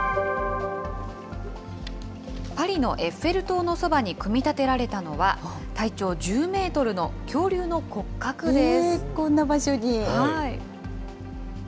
パリのエッフェル塔のそばに組み立てられたのは、体長１０メートルの恐竜の骨格です。